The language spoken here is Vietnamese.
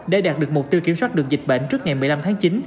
để đạt được mục tiêu kiểm soát được dịch bệnh trước ngày một mươi năm tháng chín